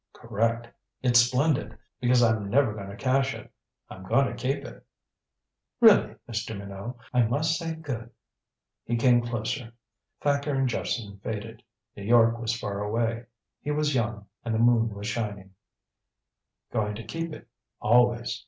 "Correct. It's splendid. Because I'm never going to cash it I'm going to keep it " "Really, Mr. Minot, I must say good " He came closer. Thacker and Jephson faded. New York was far away. He was young, and the moon was shining " going to keep it always.